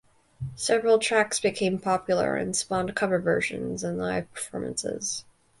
Several tracks became popular and spawned cover versions and live performances.